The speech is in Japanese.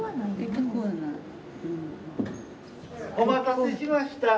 お待たせしました。